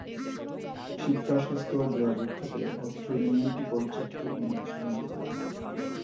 শিক্ষা, স্বাস্থ্য ও যোগাযোগ খাতে অত্র ইউনিয়নটি পর্যাপ্ত উন্নতি সাধন করেছে।